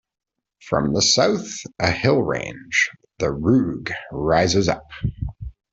From the south a hill range, the Ruuge, rises up.